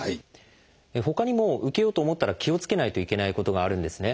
ほかにも受けようと思ったら気をつけないといけないことがあるんですね。